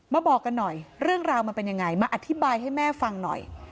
บอกกันหน่อยเรื่องราวมันเป็นยังไงมาอธิบายให้แม่ฟังหน่อย